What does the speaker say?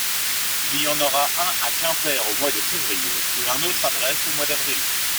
Il y en aura un à Quimper au mois de février et un autre à Brest au mois d’avril.